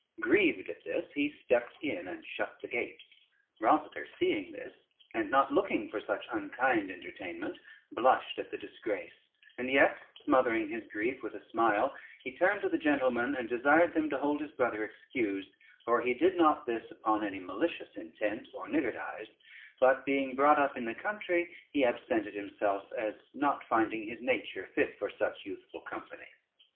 Grieved at this, he stepped in and shut the gate. Rosader seeing this, and not looking for such unkind entertainment, blushed at the disgrace, and yet smothering his grief with a smile, he turned to the gentlemen, and desired them to hold his brother excused, for he did not this upon any malicious intent or niggardize, but being brought up in the country, he absented himself as not finding his nature fit for such youthful company.